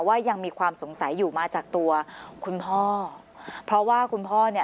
ยังมีความสงสัยอยู่มาจากตัวคุณพ่อเพราะว่าคุณพ่อเนี่ย